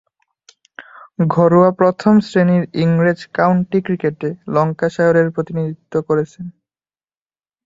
ঘরোয়া প্রথম-শ্রেণীর ইংরেজ কাউন্টি ক্রিকেটে ল্যাঙ্কাশায়ারের প্রতিনিধিত্ব করেছেন।